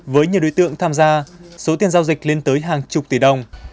với nhiều đối tượng tham gia số tiền giao dịch lên tới hàng chục tỷ đồng